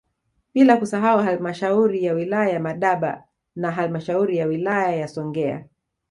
Bila kusahau halmashauri ya wilaya ya Madaba na halmashauri ya wilaya ya Songea